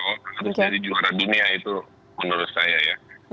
harus jadi juara dunia itu menurut saya ya